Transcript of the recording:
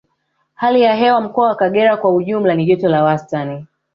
Hali ya hewa mkoa wa Kagera kwa ujumla ni ya joto la wastani